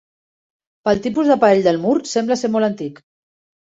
Pel tipus d'aparell del mur sembla ser molt antic.